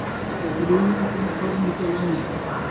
کویلیاں کوں پر نکل آئن